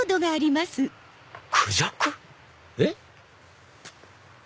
えっ？